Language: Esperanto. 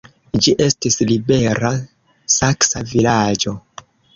Ĝi estis libera saksa vilaĝo.